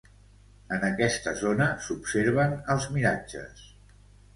En aquesta zona s'observen els miratges.